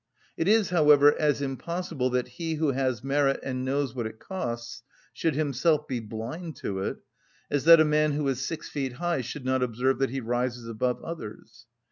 It is, however, as impossible that he who has merit, and knows what it costs, should himself be blind to it, as that a man who is six feet high should not observe that he rises above others.